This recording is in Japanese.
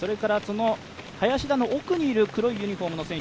林田の奥にいる黒いユニフォームの選手